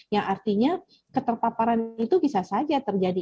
yang artinya keterpaparan itu bisa saja terjadi